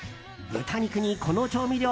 豚肉に、この調味料。